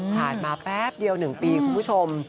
มาแป๊บเดียว๑ปีคุณผู้ชม